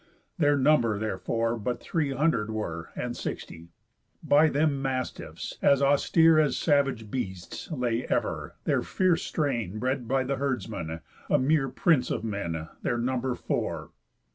Their number therefore but three hundred were And sixty. By them mastiffs, as austere As savage beasts, lay ever, their fierce strain Bred by the herdsman, a mere prince of men, Their number four.